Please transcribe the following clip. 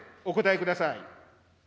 お答えください。